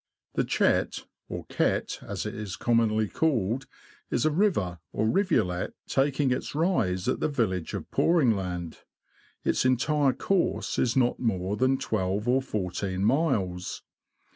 The Chet, or Ket, as it is commonly called, is a river, or rivulet, taking its rise at the village of Poringland ; its entire course is not more than twelve or fourteen miles.